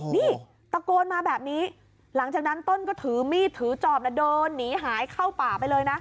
นี่ตะโกนมาแบบนี้หลังจากนั้นต้นก็ถือมีดถือจอบแล้วเดินหนีหายเข้าป่าไปเลยนะ